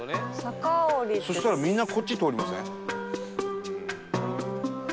そしたらみんなこっち通りません？